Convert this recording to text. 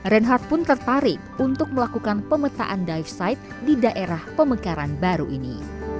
reinhardt pun tertarik untuk melakukan pemetaan dive site di daerah pemekaran baru ini